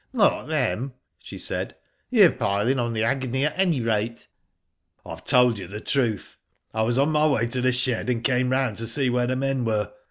*'Not them," she said. '^ You're piling on the agony at any rate." *'I have told you the truth. I was on my way to the shed, and came round to see where the men were.